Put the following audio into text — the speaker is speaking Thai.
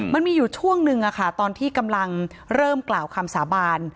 มันมีอยู่ช่วงนึงตอนที่กำลังเริ่มกล่าวคำสาบาน